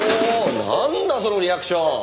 なんだそのリアクション。